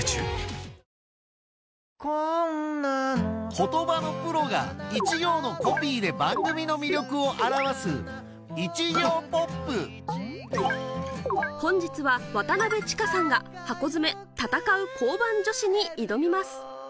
言葉のプロが一行のコピーで番組の魅力を表す本日は渡千佳さんが『ハコヅメたたかう！交番女子』に挑みます